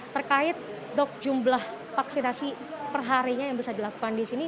terkait dok jumlah vaksinasi perharinya yang bisa dilakukan di sini